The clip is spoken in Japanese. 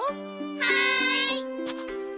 はい！